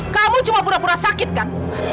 kamu cuma pura pura sakit kan